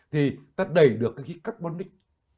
thì ta đầy được cái khí carbonic